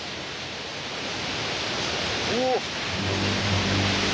おっ！